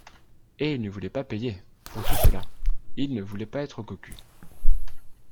Et il ne voulait pas payer, pour tout cela ; il ne voulait pas être cocu.